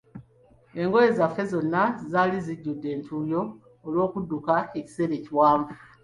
Engoye zaffe zonna zaali zijjudde entuuyo olw'okudduka ekiseera ekiwanvu.